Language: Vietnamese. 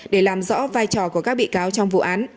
để làm rõ vai trò của các bị cáo trong vụ án